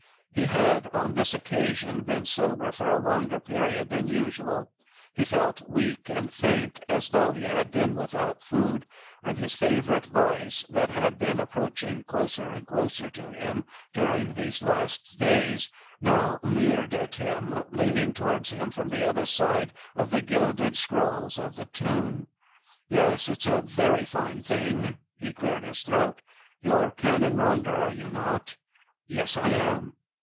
He had, on this occasion, been sober for a longer period than usual; he felt weak and faint, as though he had been without food, and his favourite vice, that had been approaching closer and closer to him during these last days, now leered at him, leaning towards him from the other side of the gilded scrolls of the tomb. "Yes, it's a very fine thing." He cleared his throat. "You're Canon Ronder, are you not?" "Yes, I am."